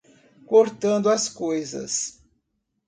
Cortando as coisas